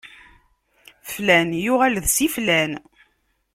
Flan yuɣal d Si Flan.